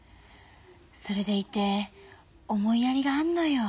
それでいて思いやりがあんのよ。